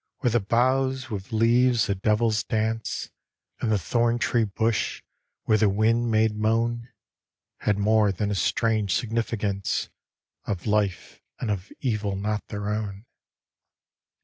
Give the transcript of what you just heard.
Where the boughs, with leaves a devil's dance, And the thorn tree bush, where the wind made moan, Had more than a strange significance Of life and of evil not their own.